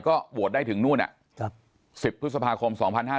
ก็โหวตได้ถึงนู่น๑๐พฤษภาคม๒๕๕๙